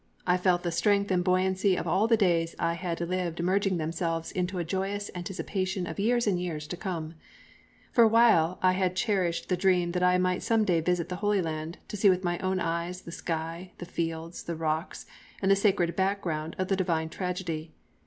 I felt the strength and buoyancy of all the days I had lived merging themselves into a joyous anticipation of years and years to come. For a long while I had cherished the dream that I might some day visit the Holy Land, to see with my own eyes the sky, the fields, the rocks, and the sacred background of the Divine Tragedy.